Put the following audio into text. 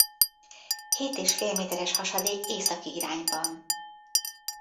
Hét és fél méteres hasadék északi irányban.